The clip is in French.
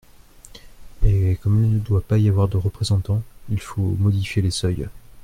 Et comme il ne doit pas y avoir de représentant, il faut modifier les seuils.